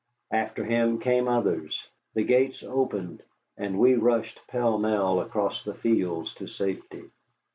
After him came others. The gates opened, and we rushed pell mell across the fields to safety.